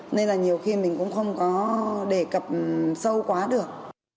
nên là nhiều khi mình cũng không có đề cập sâu quá được